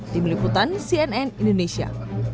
tim liputan cnn indonesia